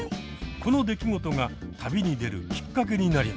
この出来事が旅に出るきっかけになりました。